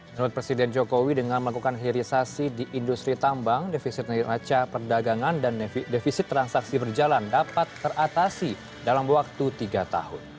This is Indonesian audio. menurut presiden jokowi dengan melakukan hilirisasi di industri tambang defisit neraca perdagangan dan defisit transaksi berjalan dapat teratasi dalam waktu tiga tahun